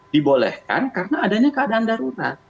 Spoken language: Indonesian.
dibolehkan karena adanya keadaan darurat